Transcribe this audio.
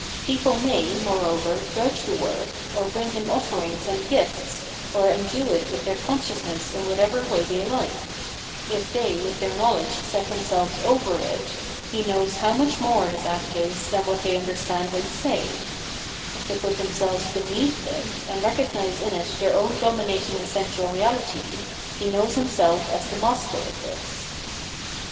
People may, moreover, judge the work, or bring him offerings and gifts, or endue it with their consciousness in whatever way they hke — if they with their knowledge set them selves over it, he knows how much more his act is than what they understand and say ; if they put themselves heneath it, and recognise in it their own dominating essential reahty, he knows himself as the master of this.